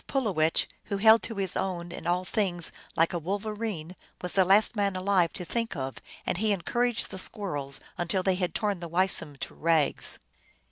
287 Pulowech, who held to his own in all things like a wolverine, was the last man alive to think of, and he encouraged the squirrels until they had torn the Weisum to rags.